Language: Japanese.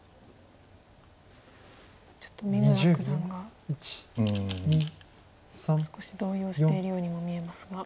ちょっと三村九段が少し動揺しているようにも見えますが。